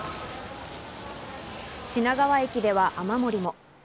品川駅では雨漏りも。